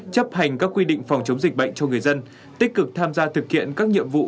chấp hành các quy định phòng chống dịch bệnh cho người dân tích cực tham gia thực hiện các nhiệm vụ